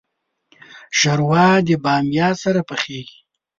ښوروا د بامیا سره پخیږي.